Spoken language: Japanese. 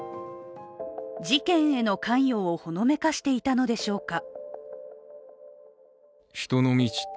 事件への関与をほのめかしていたのでしょうか